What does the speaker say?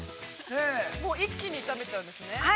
◆一気に炒めちゃうんですね。